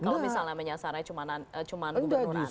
kalau misalnya menyasarai cuma gubernur anies